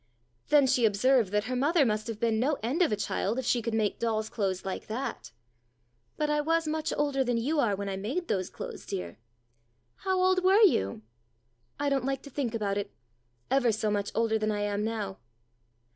Then she observed that her mother must have been no end of a child if she could make doll's clothes like that. "But I was much older than you are when I made those clothes, dear." " How old were you ?"" I don't like to think about it ever so much older than I am now."